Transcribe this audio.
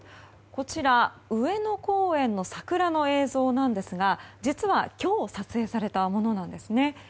こちら、上野公園の桜の映像なんですが実は今日撮影されたものなんですね。